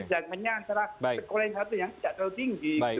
dan hanya antara sekolah yang satu yang tidak terlalu tinggi